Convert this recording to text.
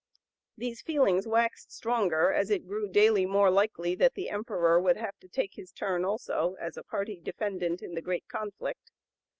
These feelings waxed stronger as it grew daily more likely that the Emperor would have to take his turn also as a party defendant in the great conflict.